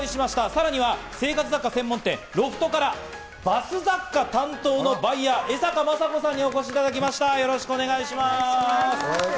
さらには生活雑貨専門店ロフトからバス雑貨担当のバイヤー・江坂真子さんにお越しいただきました。